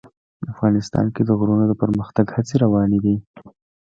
افغانستان کې د غرونه د پرمختګ هڅې روانې دي.